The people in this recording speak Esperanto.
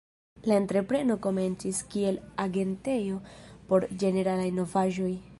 La entrepreno komencis kiel agentejo por ĝeneralaj novaĵoj.